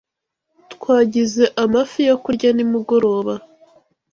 Twagize amafi yo kurya nimugoroba.